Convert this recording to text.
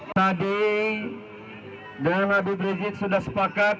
tadi dengan habib rizik sudah sepakat